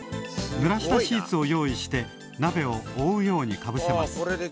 ぬらしたシーツを用意してなべをおおうようにかぶせます。